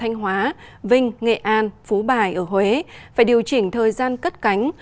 thanh hóa vinh nghệ an phú bài ở huế phải điều chỉnh thời gian cất cánh